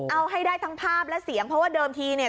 เอาให้ได้ทั้งภาพและเสียงเพราะว่าเดิมทีเนี่ย